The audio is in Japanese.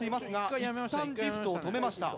いったんリフトを止めました。